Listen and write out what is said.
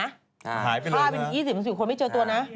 หายไปเลยเนอะฆาตเป็นอีก๒๐๓๐คนไม่เจอตัวนะ